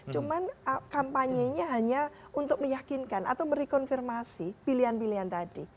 cuman kampanyenya hanya untuk meyakinkan atau merekonfirmasi pilihan pilihan tadi